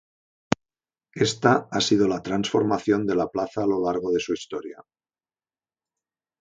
Esta ha sido la transformación de la Plaza a lo largo de su historia.